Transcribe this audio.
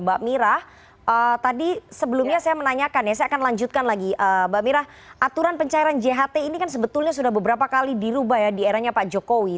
mbak mira tadi sebelumnya saya menanyakan ya saya akan lanjutkan lagi mbak mira aturan pencairan jht ini kan sebetulnya sudah beberapa kali dirubah ya di eranya pak jokowi